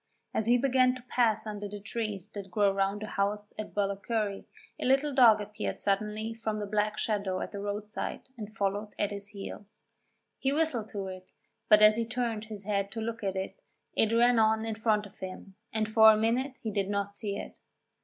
As he began to pass under the trees that grow round the house at Ballacurry, a little dog appeared suddenly from the black shadow at the roadside and followed at his heels. He whistled to it, but as he turned his head to look at it, it ran on in front of him, and for a minute he did not see it.